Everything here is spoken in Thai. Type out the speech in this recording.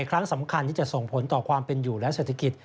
ครั้งสำคัญที่จะส่งผลต่อความเป็นอยู่และเศรษฐกิจ